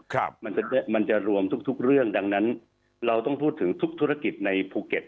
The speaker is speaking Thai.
ครับมันจะมันจะรวมทุกทุกเรื่องดังนั้นเราต้องพูดถึงทุกธุรกิจในภูเก็ต